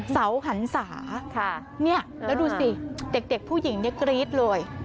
เสาหันศาเนี่ยแล้วดูสิเด็กผู้หญิงเนี่ยกรี๊ดเลย